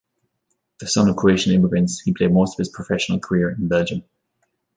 The son of Croatian immigrants, he played most of his professional career in Belgium.